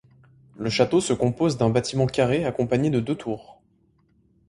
Le château se compose d'un bâtiment carré accompagné de deux tours.